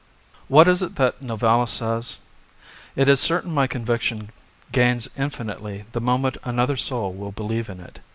What is it that Novalis says? "It is certain my conviction gains infinitely the moment another soul will believe in it."